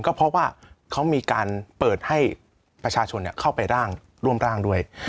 ก็เพราะว่าเขามีการเปิดให้ประชาชนเข้าไปร่างร่วมร่างด้วย